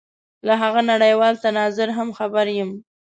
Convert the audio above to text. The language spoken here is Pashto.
له هغه نړېوال تناظر هم خبر یم.